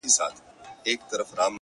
شېخ د خړپا خبري پټي ساتي ـ